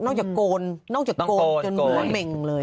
นอกจากโกนนอกจากโกนกันเมื่อมิงเลย